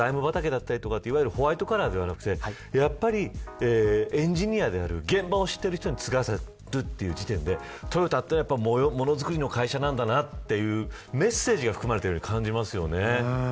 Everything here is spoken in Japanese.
ホワイトカラーではなくてエンジニアである現場を知っている人に継がせるという時点でトヨタはものづくりの会社なんだなっていうメッセージが含まれているように感じます。